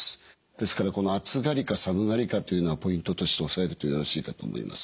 ですからこの暑がりか寒がりかというのはポイントとして押さえるとよろしいかと思います。